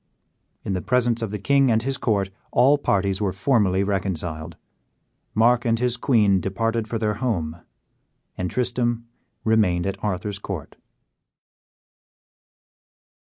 In the presence of the king and his court all parties were formally reconciled; Mark and his queen departed for their home, and Tristram remained at Arthur's court.